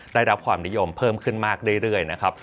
ได้รับความนิยมเพิ่มขึ้นมากเรื่อยนะครับ